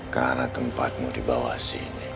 karena tempatmu di bawah sini